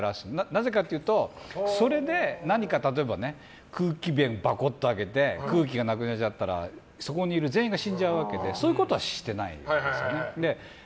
なぜかというとそれで何か空気弁ばこっと開けて空気がなくなっちゃったらそこにいる全員が死んじゃうわけでそういうことはしてないですよね。